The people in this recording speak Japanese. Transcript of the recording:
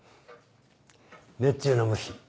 熱中の虫。